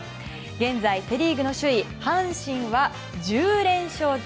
現在セ・リーグの首位阪神は１０連勝中。